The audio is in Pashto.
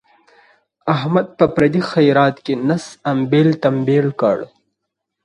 احمد په پردي خیرات کې نس امبېل تمبیل کړ.